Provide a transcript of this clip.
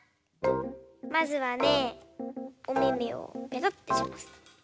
まずはねおめめをぺとってします。